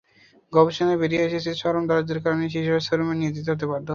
গবেষণায় বেরিয়ে এসেছে, চরম দারিদ্র্যের কারণেই শিশুরা শ্রমে নিয়োজিত হতে বাধ্য হচ্ছে।